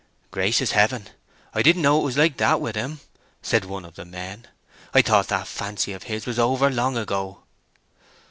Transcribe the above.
"Gracious heaven, I didn't know it was like that with him!" said one of the men. "I thought that fancy of his was over long ago."